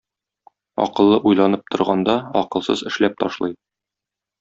Акыллы уйланып торганда акылсыз эшләп ташлый.